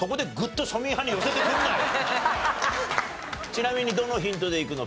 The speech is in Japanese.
ちなみにどのヒントでいくの？